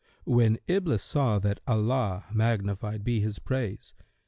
When Iblis saw that Allah (magnified be His praise!)